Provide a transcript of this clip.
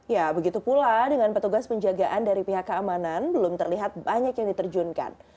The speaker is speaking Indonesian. ya begitu pula dengan petugas penjagaan dari pihak keamanan belum terlihat banyak yang diterjunkan